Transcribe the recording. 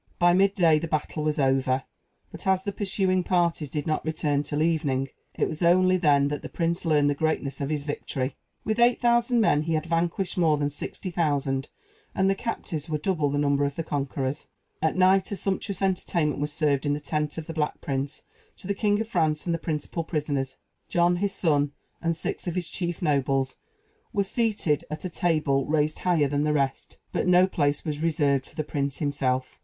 By mid day the battle was over; but, as the pursuing parties did not return till evening, it was only then that the prince learned the greatness of his victory. With eight thousand men he had vanquished more than sixty thousand, and the captives were double the number of the conquerors. At night a sumptuous entertainment was served in the tent of the Black Prince to the King of France and the principal prisoners. John, his son, and six of his chief nobles, were seated at a table raised higher than the rest; but no place was reserved for the prince himself.